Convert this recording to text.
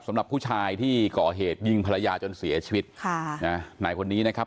สำหรับผู้ชายที่ก่อเหตุยิงภรรยาจนเสียชีวิตค่ะนะนายคนนี้นะครับ